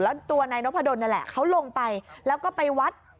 แล้วตัวนายนพดลนั่นแหละเขาลงไปแล้วก็ไปวัด